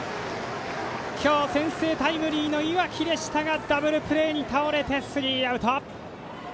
今日先制タイムリーの岩来でしたがダブルプレーに倒れてスリーアウト。